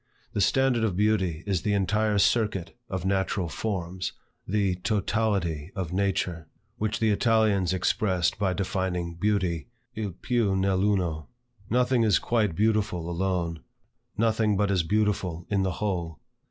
The standard of beauty is the entire circuit of natural forms, the totality of nature; which the Italians expressed by defining beauty "il piu nell' uno." Nothing is quite beautiful alone: nothing but is beautiful in the whole.